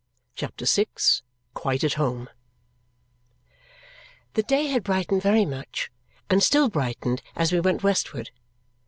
CHAPTER VI Quite at Home The day had brightened very much, and still brightened as we went westward.